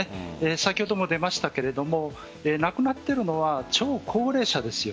先ほども出ましたが亡くなっているのは超高齢者です。